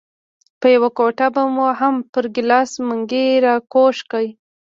په یوه ګوته به مو هم پر ګیلاس منګی راکوږ کړ.